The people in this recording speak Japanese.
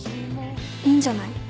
いいんじゃない。